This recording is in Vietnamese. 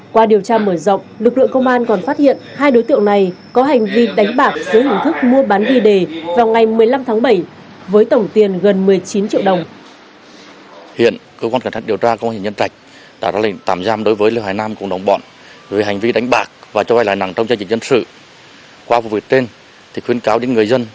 qua điều tra mở rộng lực lượng công an còn phát hiện hai đối tiệu này có hành vi đánh bạc dưới hình thức mua bán đi đề vào ngày một mươi năm tháng bảy với tổng tiền gần một mươi chín triệu đồng